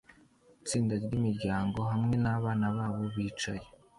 Itsinda ryimiryango hamwe nabana babo bicaye